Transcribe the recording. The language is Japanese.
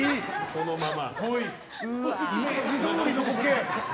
イメージどおりのボケ！